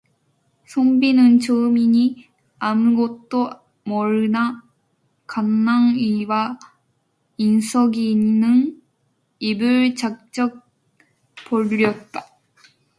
선비는 처음이니 아무것도 모르나 간난이와 인숙이는 입을 쩍쩍 벌렸다.